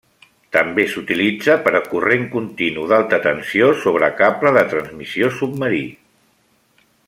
També s'utilitza per a corrent continu d'alta tensió sobre cable de transmissió submarí.